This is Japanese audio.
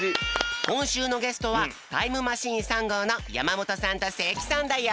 こんしゅうのゲストはタイムマシーン３号の山本さんと関さんだよ。